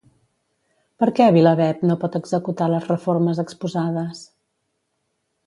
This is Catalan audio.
Per què Vilaweb no pot executar les reformes exposades?